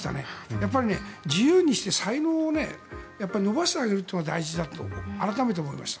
やっぱり自由にして才能を伸ばしてあげるのが大事だと改めて思いました。